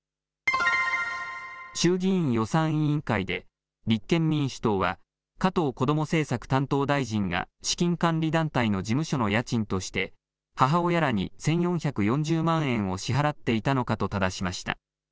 衆議院予算委員会で、立憲民主党は、加藤こども政策担当大臣が資金管理団体の事務所の家賃として、母親らに１４４０万円を支払っていたのかとただしました。